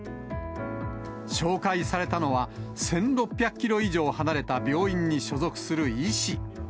紹介されたのは、１６００キロ以上離れた病院に所属する医師。